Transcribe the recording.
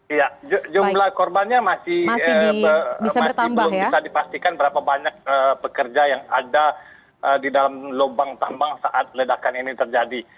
iya jumlah korbannya masih belum bisa dipastikan berapa banyak pekerja yang ada di dalam lubang tambang saat ledakan ini terjadi